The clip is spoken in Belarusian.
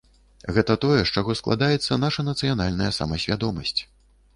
Гэта тое, з чаго складаецца наша нацыянальная самасвядомасць.